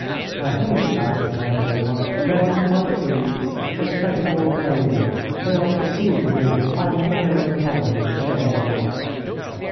I hinted at it, therefore, and then by degrees I spoke more plainly, until it seemed to me that I had prevailed upon him to share my lot.